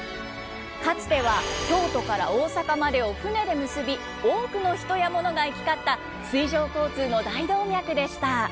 かつては京都から大阪までを船で結び多くの人や物が行き交った水上交通の大動脈でした。